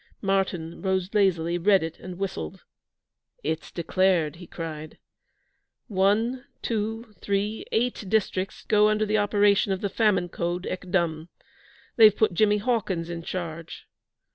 Martyn rose lazily, read it, and whistled. 'It's declared!' he cried. 'One, two, three eight districts go under the operation of the Famine Code ek dum. They've put Jimmy Hawkins in charge.'